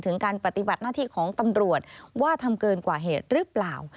การปฏิบัติหน้าที่ของตำรวจว่าทำเกินกว่าเหตุหรือเปล่า